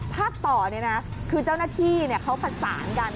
ภาพต่อนี่นะคือเจ้าหน้าที่เขาผสานกัน